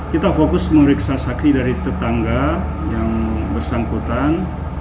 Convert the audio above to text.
kita fokus memeriksa saksi dari tetangga yang bersangkutan